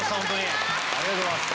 ありがとうございます！